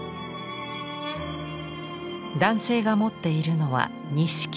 男性が持っているのは錦木。